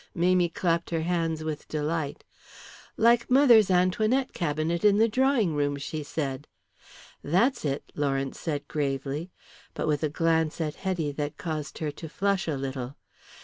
Mamie clapped her hands with delight. "Like mother's Antoinette cabinet in the drawing room," she said. "That's it," Lawrence said gravely, but with a glance at Hetty that caused her to flush a little.